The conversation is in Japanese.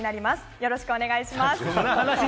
よろしくお願いします。